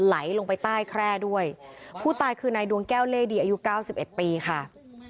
ไหลลงไปใต้แคร่ด้วยผู้ตายคือนายดวงแก้วเล่ดีอายุเก้าสิบเอ็ดปีค่ะ